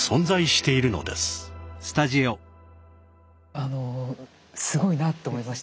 あのすごいなって思いました。